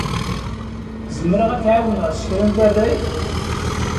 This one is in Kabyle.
Zemreɣ ad k-ɛiwneɣ s kra n tarrayt?